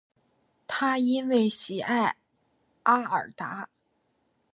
他因为喜爱阿尔达。